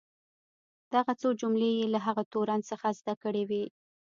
دغه څو جملې یې له هغه تورن څخه زده کړې وې.